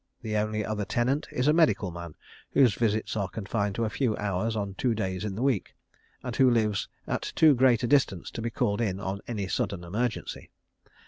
The only other tenant is a medical man, whose visits are confined to a few hours on two days in the week, and who lives at too great a distance to be called in on any sudden emergency.